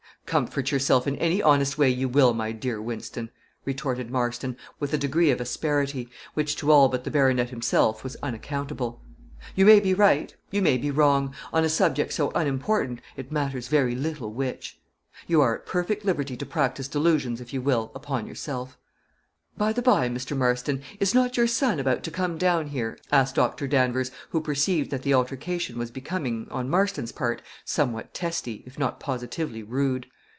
"Comfort yourself in any honest way you will, my dear Wynston," retorted Marston, with a degree of asperity, which, to all but the baronet himself, was unaccountable. "You may be right, you may be wrong; on a subject so unimportant it matters very little which; you are at perfect liberty to practice delusions, if you will, upon yourself." "By the bye, Mr. Marston, is not your son about to come down here?" asked Doctor Danvers, who perceived that the altercation was becoming, on Marston's part, somewhat testy, if not positively rude.